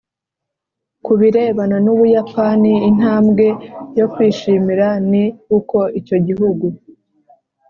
Ku birebana n u buyapani intambwe yo kwishimira ni uko icyo gihugu